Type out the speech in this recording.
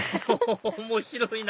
面白いな！